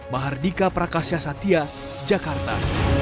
mahardika prakasya satya jakarta